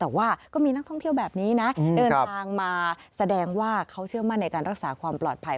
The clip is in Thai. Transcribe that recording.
แต่ว่าก็มีนักท่องเที่ยวแบบนี้นะเดินทางมาแสดงว่าเขาเชื่อมั่นในการรักษาความปลอดภัย